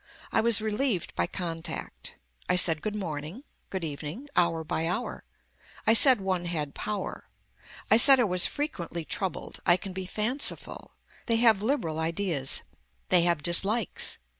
I was relieved by contact. I said good morning, good evening, hour by hour. I said one had power. I said I was frequently troubled. I can be fanciful. They have liberal ideas. They have dislikes.